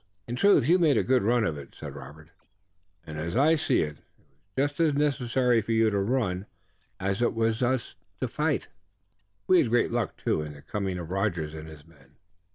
"In truth you've made a good run of it," said Robert, "and as I see it, it was just as necessary for you to run as it was for us to fight. We had great luck, too, in the coming of Rogers and his men."